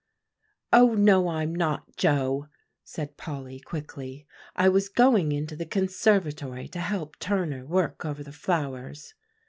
"Oh, no, I'm not, Joe!" said Polly quickly. "I was going into the conservatory to help Turner work over the flowers."